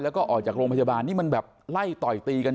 แล้วก็ออกจากโรงพยาบาลนี่มันแบบไล่ต่อยตีกัน